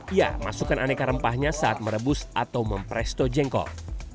iya masukkan aneka rempahnya saat merebus atau mempresto jengkol